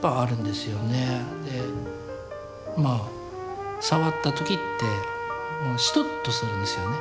でまあ触った時ってシトッとするんですよね